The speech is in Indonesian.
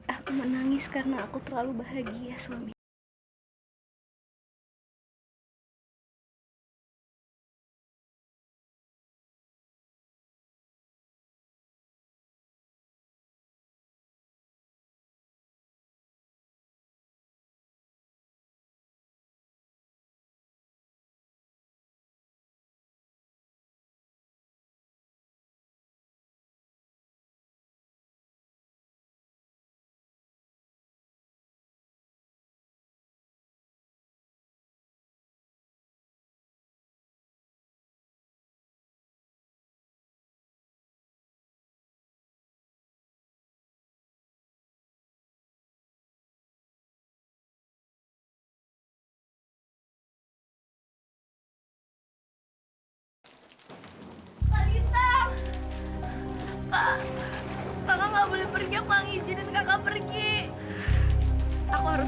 aku menangis karena aku terlalu bahagia suamiku